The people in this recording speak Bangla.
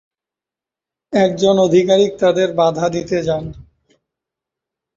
একজন আধিকারিক তাদের বাধা দিতে যান।